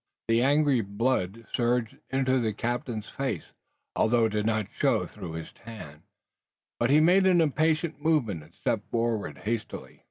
The angry blood surged into the captain's face, although it did not show through his tan. But he made an impatient movement, and stepped forward hastily.